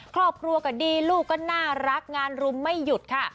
ครอบครัวก็ดีลูกก็น่ารักงานรุมไม่หยุดค่ะ